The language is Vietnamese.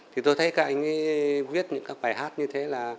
thì tôi thấy các anh ấy viết những các bài hát như thế là